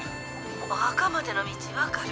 ☎お墓までの道分かる？